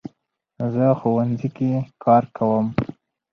زه ښوونځي کې کار کوم